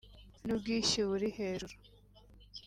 n’ubwishyu buri hejuru